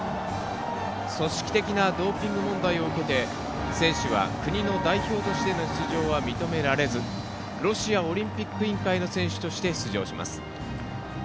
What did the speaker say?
組織的なドーピング問題を受けて選手は国の代表としての出場は認められずロシアオリンピック委員会の選手として出場します。